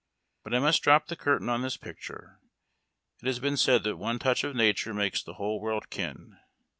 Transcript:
But I must drop the curtain on this picture. It has been said that one touch of nature makes the wliole world kin.